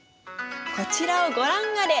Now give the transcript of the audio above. こちらをご覧あれ。